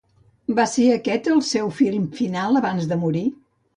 Va ser aquest el seu film final abans de morir?